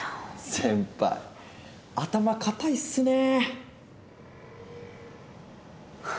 先輩頭固いっすね。